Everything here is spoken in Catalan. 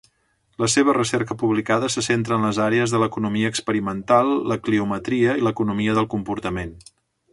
La seva recerca publicada se centra en les àrees de l'economia experimental, la cliometria i l'economia del comportament.